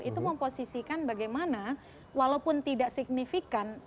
itu memposisikan bagaimana walaupun tidak signifikan